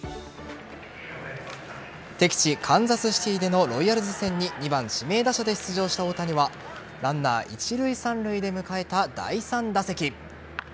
敵地・カンザスシティーでのロイヤルズ戦に２番・指名打者で出場した大谷はランナー一塁・三塁で迎えた第３打席。